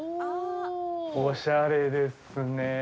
おしゃれですねえ。